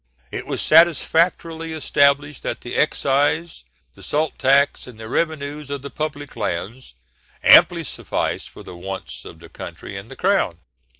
It was satisfactorily established that the excise, the salt tax, and the revenues of the public lands amply sufficed for the wants of the country and the crown.